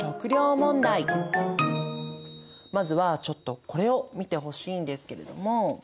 まずはちょっとこれを見てほしいんですけれども。